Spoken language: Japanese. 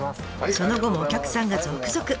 その後もお客さんが続々。